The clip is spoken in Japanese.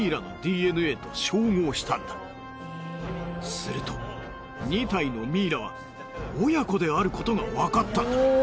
すると２体のミイラは親子であることがわかったんだ。